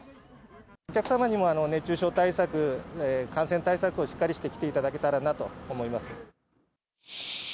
お客様にも熱中症対策、感染対策をしっかりしてきていただけたらなと思います。